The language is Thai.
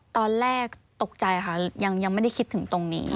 ตอนแรกตกใจค่ะยังไม่ได้คิดถึงตรงนี้